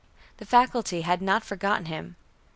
The faculty had not forgotten him.